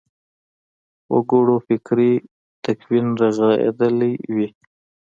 وګړو فکري تکوین رغېدلی وي.